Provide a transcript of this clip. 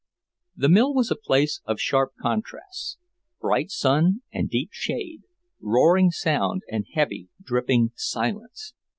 The mill was a place of sharp contrasts; bright sun and deep shade, roaring sound and heavy, dripping silence.